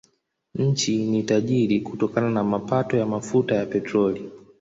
Nchi ni tajiri kutokana na mapato ya mafuta ya petroli.